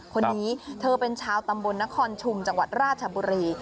คนนี้เธอเป็นชาวตำบลนครชุมจังหวัดราชบุรี